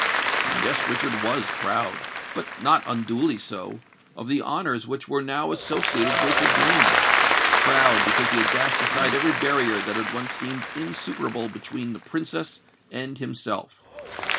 Yes: Richard was proud—but not unduly so—of the honours which were now associated with his name;—proud, because he had dashed aside every barrier that had once seemed insuperable between the Princess and himself.